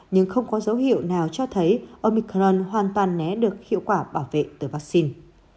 nhưng không có dấu hiệu nào cho thấy omicron hoàn toàn né được hiệu quả bảo vệ từ vaccine